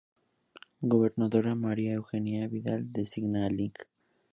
Gobernadora María Eugenia Vidal designa al Lic.